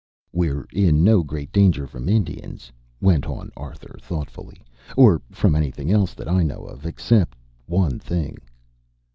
"We're in no great danger from Indians," went on Arthur thoughtfully, "or from anything else that I know of except one thing."